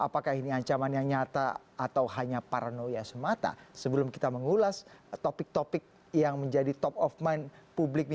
proyeknya lima enam yang diambil dua tiga